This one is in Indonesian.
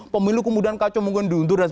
pemilu kemudian kacau mungkin diuntur